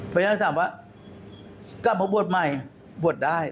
เพราะฉะนั้นถามว่าก็บอกว่าบวชใหม่บวชได้